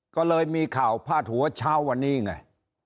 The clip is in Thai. ก็เลยมีข่าวพาดหัวเช้าวันนี้ไง